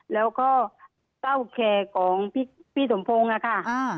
แล้วก็เป้าแขกของพี่สมโพงค่ะ